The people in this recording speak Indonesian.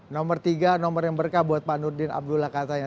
nomor tiga nomor yang berkah buat pak nurdin abdullah katanya